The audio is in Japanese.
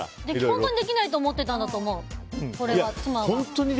本当にできないと思ってたんだと思う、妻は。